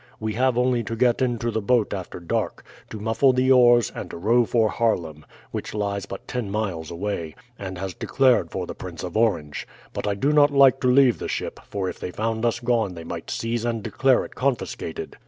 We have only to get into the boat after dark, to muffle the oars, and to row for Haarlem, which lies but ten miles away, and has declared for the Prince of Orange. But I do not like to leave the ship, for if they found us gone they might seize and declare it confiscated.